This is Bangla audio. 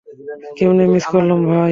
কেমনে মিস করলাম ভাই?